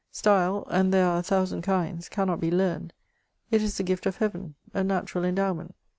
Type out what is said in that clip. Style, and there are a thousand kinds, cannot be learned — ^it is the gift of heaven — a natural endowment.